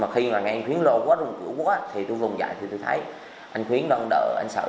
khi mà nghe anh khuyến lộ quá rung cửa quá thì tôi vùng dài thì tôi thấy anh khuyến đang đợi anh sự